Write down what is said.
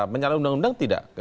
menyalahi undang undang tidak